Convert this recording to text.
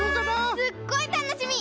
すっごいたのしみ！